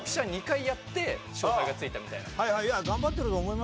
２回やって勝敗がついたみたいな。